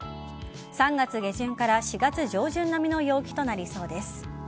３月下旬から４月上旬並みの陽気となりそうです。